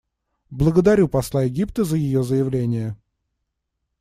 Благодарю посла Египта за ее заявление.